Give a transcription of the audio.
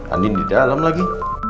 andin di dalam lagi